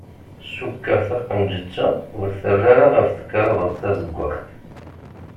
Cukkeɣ taqemǧet-a ur terra ara ɣef tekrabaṭ tazeggaɣt.